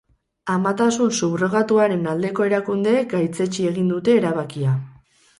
Amatasun subrogatuaren aldeko erakundeek gaitzetsi egin dute erabakia.